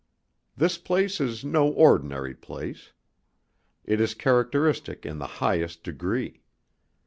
This place is no ordinary place. It is characteristic in the highest degree.